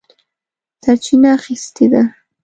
سرچینه اخیستې ده.